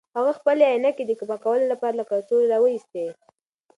هغه خپلې عینکې د پاکولو لپاره له کڅوړې راویستې.